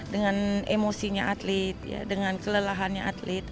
dengan emosinya atlet dengan kelelahannya atlet